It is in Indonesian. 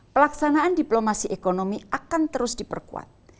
pelaksanaan diplomasi ekonomi akan terus diperkuat